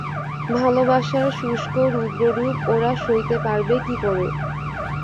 – ভালোবাসার শুষ্ক রুদ্ররূপ ওরা সইতে পারবে কী করে?